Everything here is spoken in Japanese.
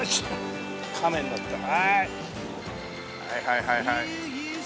はいはいはいはい。